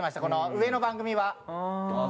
この上の番組は。